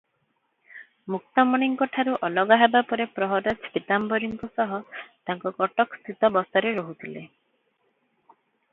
ମୁକ୍ତାମଣିଙ୍କଠାରୁ ଅଲଗା ହେବା ପରେ ପ୍ରହରାଜ ପୀତାମ୍ବରୀଙ୍କ ସହ ତାଙ୍କ କଟକସ୍ଥିତ ବସାରେ ରହୁଥିଲେ ।